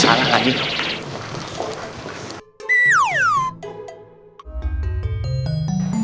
kita pake salah lagi dong